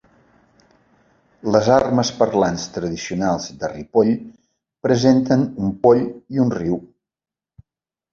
Les armes parlants tradicionals de Ripoll presenten un poll i un riu.